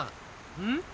うん？